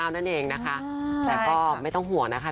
นั่นเองนะคะแต่ก็ไม่ต้องห่วงนะคะ